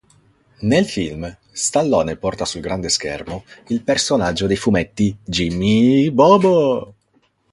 Nel film Stallone porta sul grande schermo il personaggio dei fumetti Jimmy Bobo.